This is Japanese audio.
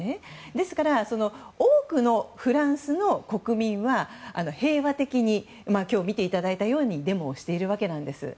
ですから多くのフランスの国民は平和的に今日、見ていただいたようにデモをしているわけです。